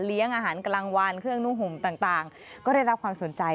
อาหารกลางวันเครื่องนุ่งห่มต่างก็ได้รับความสนใจ